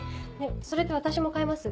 それって私も買えます？